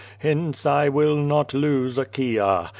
Hence 1 will not lose Achaia.